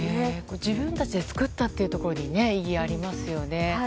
自分たちで作ったというところに意義がありますよね。